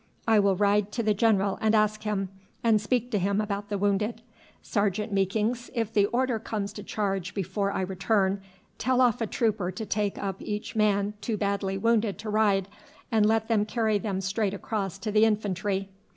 "I will ride to the general and ask him, and speak to him about the wounded. Sergeant Meekings, if the order comes to charge before I return, tell off a trooper to take up each man too badly wounded to ride, and let them carry them straight across to the infantry."